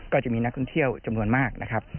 ก็จะมีนักท่องเที่ยวจำนวนมากนะครับ